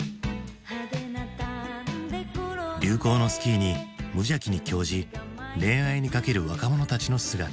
流行のスキーに無邪気に興じ恋愛にかける若者たちの姿。